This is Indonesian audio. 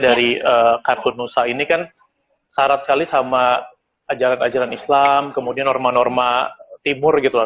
dari kartun nusa ini kan syarat sekali sama ajaran ajaran islam kemudian norma norma timur gitu loh